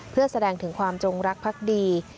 เพื่อแสดงถึงความจงรักพักดี